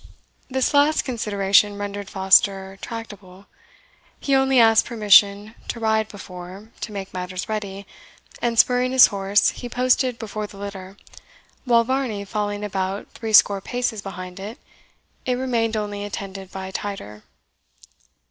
This last consideration rendered Foster tractable; he only asked permission to ride before, to make matters ready, and spurring his horse, he posted before the litter, while Varney falling about threescore paces behind it, it remained only attended by Tider.